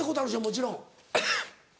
もちろん。